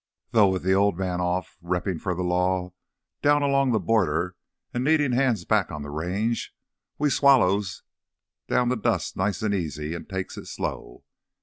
Though with th' Old Man off reppin' for th' law down along the border and needin' hands back on the Range, we swallows down th' dust nice an' easy an' takes it slow.